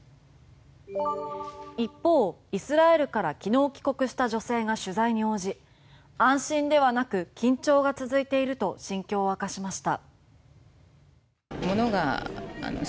一方、イスラエルから昨日帰国した女性が取材に応じ安心ではなく緊張が続いていると心境を明かしました。